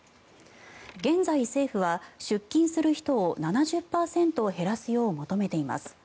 現在、政府は出勤する人を７０％減らすよう求めています。